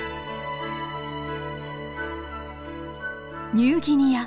ニューギニア